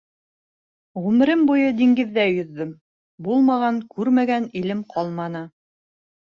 Ғүмерем буйы диңгеҙҙә йөҙҙөм, булмаған-күрмәгән илем ҡалманы.